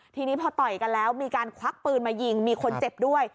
ทีนี้พอต่อยกันแล้วมีการควักปืนมายิงมีคนเจ็บด้วย